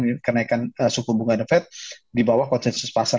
besaran kenaikan suku bunga nevet di bawah konsensus pasar